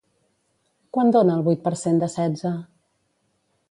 Quant dona el vuit per cent de setze?